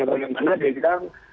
bagaimana dia bilang